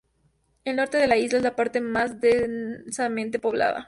El norte de la isla es la parte más densamente poblada.